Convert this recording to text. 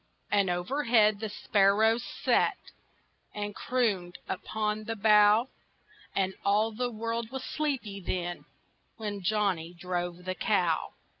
And overhead the sparrows sat And crooned upon the bough, And all the world was sleepy then, When Johnny drove the cow.